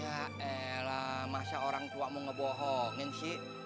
ya elah masa orang tua mau ngebohongin tuh